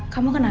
kamu kenal gak